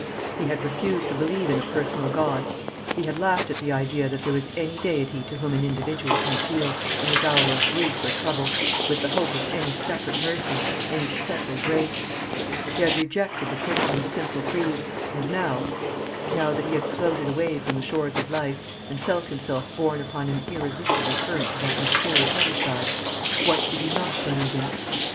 He had refused to believe in a personal God. He had laughed at the idea that there was any Deity to whom the individual can appeal, in his hour of grief or trouble, with the hope of any separate mercy, any special grace. He had rejected the Christian's simple creed, and now now that he had floated away from the shores of life, and felt himself borne upon an irresistible current to that mysterious other side, what did he not believe in?